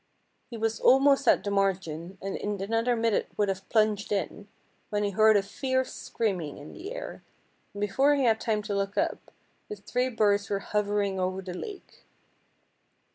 He was almost at the margin, and in another minute would have plunged in, when he heard a fierce screaming in the air, and before he had time to look up, the three birds were hovering over the lake.